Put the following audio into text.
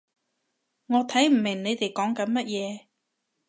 我睇唔明你哋講緊乜嘢